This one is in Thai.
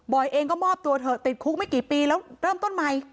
เองก็มอบตัวเถอะติดคุกไม่กี่ปีแล้วเริ่มต้นใหม่